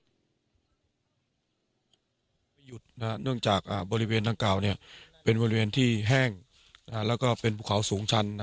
ราบสมัครจนาคารบริเวณนาคาวบริเวณที่แห้งและผู้เขาสูงชัน